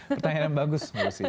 pertanyaan yang bagus mbak lucy